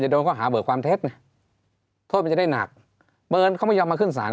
จะโดนเข้าหาเบิกความเทศน่ะโทษมันจะได้หนักเบิร์นเขาไม่ยอมมาขึ้นศาล